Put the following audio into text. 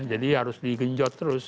jadi harus digenjot terus